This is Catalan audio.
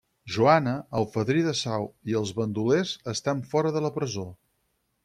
Joana, el Fadrí de Sau i els bandolers estan fora de la presó.